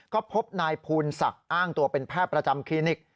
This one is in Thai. ก็พบนายภูนศักดิ์อ้างตัวเป็นแพทย์ประจำคลินิก